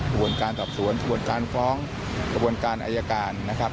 ส่วนการสอบสวนถ่วนการฟ้องกระบวนการอายการนะครับ